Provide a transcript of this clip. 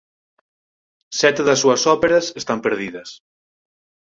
Sete das súas óperas están perdidas.